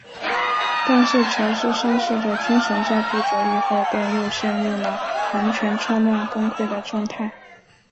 但是乔治三世的精神在不久以后便又陷入了完全错乱崩溃的状态。